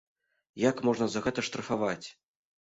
Як можна за гэта штрафаваць?